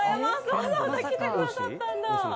わざわざ来てくださったんだ